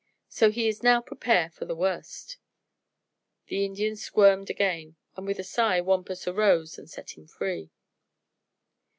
So he is now prepare for the worst." The Indiam squirmed again, and with a sigh Wampus arose and set him free.